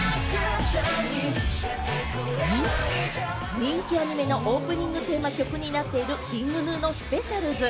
人気アニメのオープニングテーマ曲になっているＫｉｎｇＧｎｕの『ＳＰＥＣＩＡＬＺ』。